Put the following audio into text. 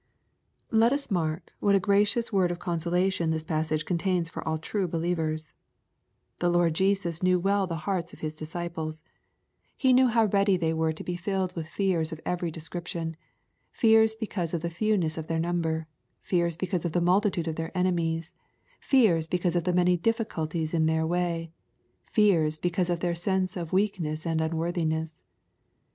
Let us mark what a gracious word of consolation this passage coriainsfor all true believers. The Lord Jesus knew well the hearts of His disciples. He knew how readf ■ 84 EXPOSITORY THOUGHTS. they were to be filled with fears of every description^ — ^fears because of the fewness of their number, — ^fears because of the multitude of their enemies, — ^fears because of the many difficulties in their way, — ^fears because of their sense of weakness and unworthiness.